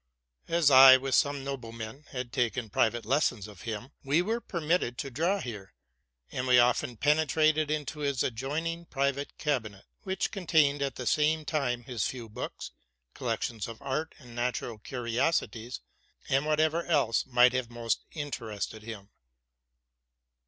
As IJ, with some noble men, had taken private lessons of him, we were permitted to draw here ; and we often penetrated into his adjoining private eabinet, which contained at the same time his few books, collections of art and natural curiosities, and whatever else might have most interested him.